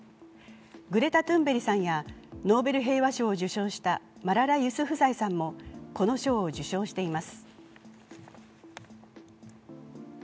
グレタ・トゥンベリさんやノーベル平和賞を受賞したマララ・ユスフザイさんもこの賞を受賞しています。